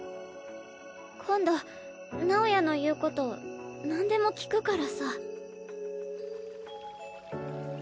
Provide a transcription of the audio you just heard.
今度直也の言うことなんでも聞くからさ。